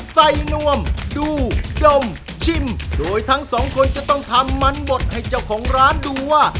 นวมดูดมชิมโดยทั้งสองคนจะต้องทำมันบดให้เจ้าของร้านดูว่า